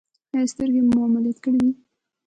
ایا سترګې مو عملیات کړي دي؟